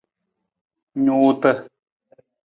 Nuuta.